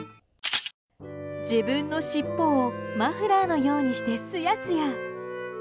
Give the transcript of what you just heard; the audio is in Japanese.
自分のしっぽをマフラーのようにしてスヤスヤ。